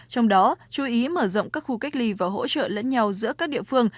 trong đó chú ý mở rộng các khu cách ly và hỗ trợ lẫn nhau giữa các địa phương